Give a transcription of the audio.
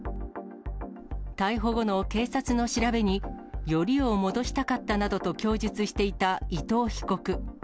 逮捕後の警察の調べに、よりを戻したかったなどと供述していた伊藤被告。